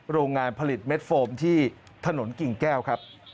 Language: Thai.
โรงงานผลิตเม็ดโฟมที่ถนนกิ่งแก้วครับ